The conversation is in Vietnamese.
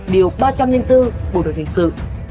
điều ba trăm linh bốn bộ đội thành sự